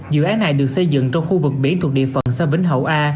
dự án này được xây dựng trong khu vực biển thuộc địa phận xã vĩnh hậu a